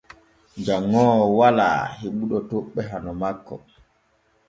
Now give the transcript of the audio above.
Janŋoowo walaa heɓuɗo toɓɓe hano makko.